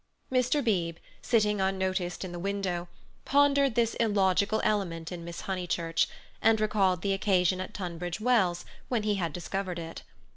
Mr. Beebe, sitting unnoticed in the window, pondered this illogical element in Miss Honeychurch, and recalled the occasion at Tunbridge Wells when he had discovered it.